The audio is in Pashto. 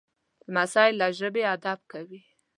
لمسی له ژبې ادب کوي.